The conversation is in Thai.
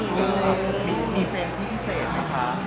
ยังมีใครพิเศษไหมคะ